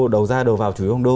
đầu ra đầu vào chủ yếu bằng đô